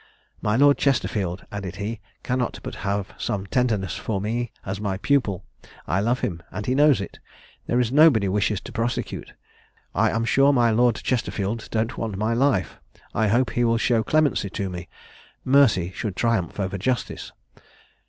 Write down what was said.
"My Lord Chesterfield," added he, "cannot but have some tenderness for me as my pupil. I love him, and he knows it. There is nobody wishes to prosecute. I am sure my Lord Chesterfield don't want my life, I hope he will show clemency to me. Mercy should triumph over justice."